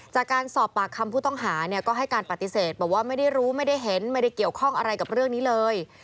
จากการสอบปากคำผู้ต้องหาเนี่ยก็ให้การปฏิเสธบอกว่าไม่ได้รู้ไม่ได้เห็นไม่ได้เกี่ยวข้องอะไรกับเรื่องนี้เลย